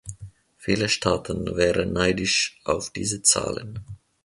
Viele Staaten wären neidisch auf diese Zahlen.